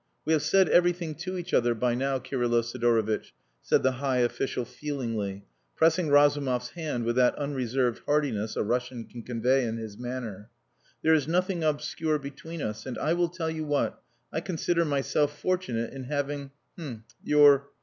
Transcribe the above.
"We have said everything to each other by now, Kirylo Sidorovitch," said the high official feelingly, pressing Razumov's hand with that unreserved heartiness a Russian can convey in his manner. "There is nothing obscure between us. And I will tell you what! I consider myself fortunate in having h'm your..."